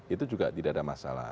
itu juga tidak ada masalah